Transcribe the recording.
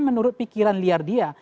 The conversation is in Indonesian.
menurut pikiran liar dia